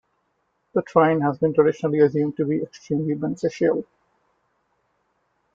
The trine has been traditionally assumed to be extremely beneficial.